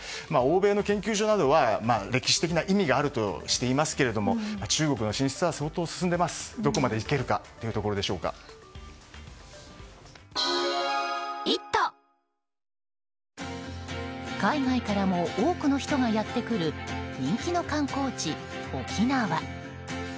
欧米の研究所などは歴史的な意味があるとしていますが中国の進出は相当進んでいるのでどこまで行けるか海外からも多くの人がやってくる人気の観光地、沖縄。